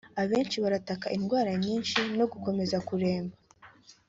Abenshi barataka indwara nyinshi no gukomeza kuremba